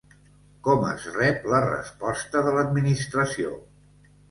Com es rep la resposta de l'Administració?